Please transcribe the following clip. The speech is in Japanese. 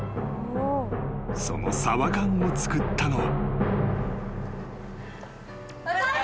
［そのサバ缶を作ったのは］